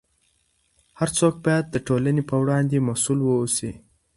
هر څوک باید د ټولنې په وړاندې مسؤل واوسي.